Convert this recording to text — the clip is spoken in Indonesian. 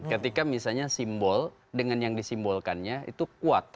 ketika misalnya simbol dengan yang disimbolkannya itu kuat